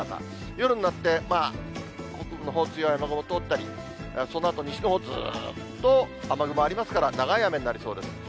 夜になって、まあ、北部のほう、強い雨雲通ったり、そのあと、西のほう、ずっと雨雲ありますから、長い雨になりそうです。